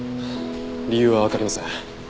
理由はわかりません。